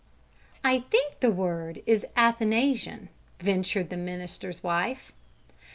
"I think the word is Athanasian," ventured the minister's wife.